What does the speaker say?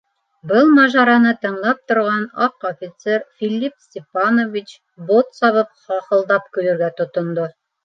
Был мажараны тыңлап торған аҡ офицер Филипп Степанович бот сабып хахылдап көлөргә тотондо.